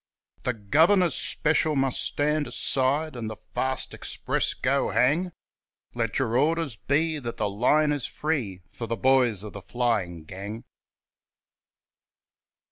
The Governor's special must stand aside, And the fast express go hang, Let your orders be that the line is free For the boys of the flying gang.